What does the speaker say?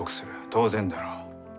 当然だろう？